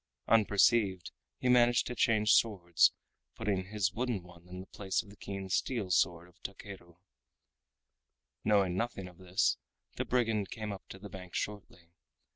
Unperceived, he managed to change swords, putting his wooden one in place of the keen steel sword of Takeru. Knowing nothing of this, the brigand came up to the bank shortly.